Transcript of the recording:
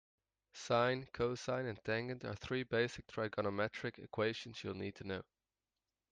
Sine, cosine and tangent are three basic trigonometric equations you'll need to know.